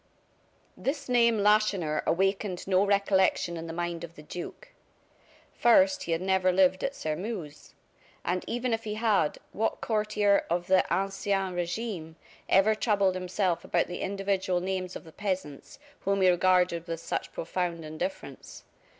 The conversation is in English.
This name Lacheneur awakened no recollection in the mind of the duke. First, he had never lived at Sairmeuse. And even if he had, what courtier of the ancien regime ever troubled himself about the individual names of the peasants, whom he regarded with such profound indifference.